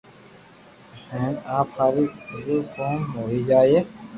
ھين اپ ھارو ڀلو ڪوم ھوئي جائي